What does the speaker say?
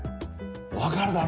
わかるだろ？